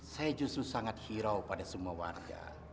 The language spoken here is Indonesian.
saya justru sangat hirau pada semua warga